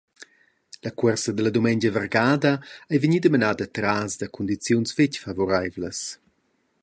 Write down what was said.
La cuorsa dalla dumengia vargada ei vegnida menada atras da cundiziuns fetg favoreivlas.